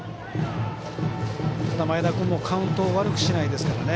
ただ、前田君もカウント悪くしないですからね。